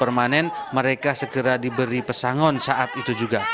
permanen mereka segera diberi pesangon saat itu juga